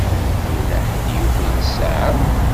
Yella ḥedd i yukren ssaɛa-w.